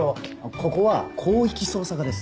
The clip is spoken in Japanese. ここは広域捜査課です。